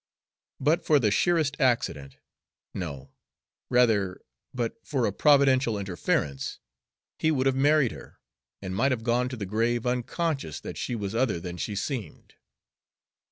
But for the sheerest accident, no, rather, but for a providential interference, he would have married her, and might have gone to the grave unconscious that she was other than she seemed.